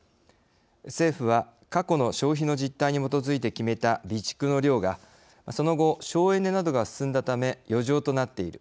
政府は、過去の消費の実体に基づいて決めた備蓄の量がその後、省エネなどが進んだため余剰となっている。